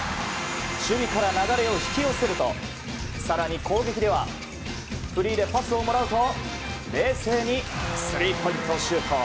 守備から流れを引き寄せると更に攻撃ではフリーでパスをもらうと冷静にスリーポイントシュート。